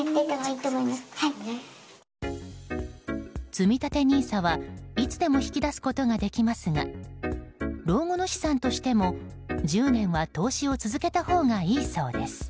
つみたてＮＩＳＡはいつでも引き出すことができますが老後の資産としても、１０年は投資を続けた方がいいそうです。